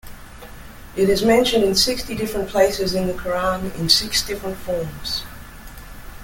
It is mentioned in sixty different places in the Qu'ran, in six different forms.